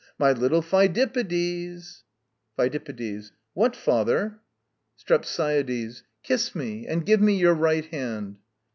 my little Phidippides! PHIDIPPIDES. What is it, father! STREPSIADES. Kiss me and give me your hand.